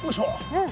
うん。